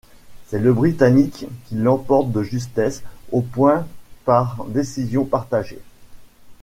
C'est le britannique qui l'emporte de justesse aux points par décision partagée.